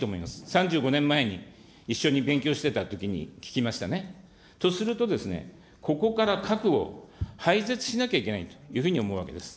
３５年前に一緒に勉強してたときに聞きましたね。とするとですね、ここから核を廃絶しなきゃいけないというふうに思うわけです。